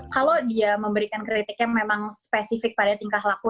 kalau dia memberikan kritik yang memang spesifik pada tingkah laku